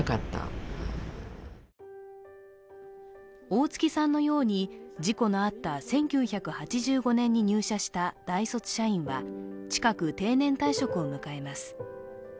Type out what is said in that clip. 大槻さんのように事故のあった１９８５年に入社した大卒社員は、近く定年退職を迎えます。